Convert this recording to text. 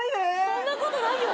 そんなことないよ！